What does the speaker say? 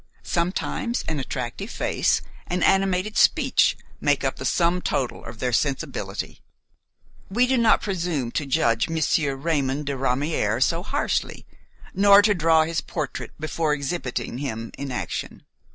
Sometimes an attractive face and animated speech make up the sum total of their sensibility. We do not presume to judge Monsieur Raymon de Ramière so harshly, nor to draw his portrait before exhibiting him in action.